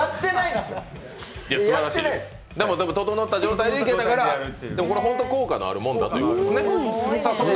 でも整った状態にいけたから、効果があるものだということですね。